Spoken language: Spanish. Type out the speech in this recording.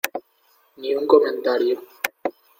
ni un comentario.